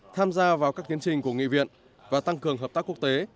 tham gia vào các tiến trình của nghị viện và tăng cường hợp tác quốc tế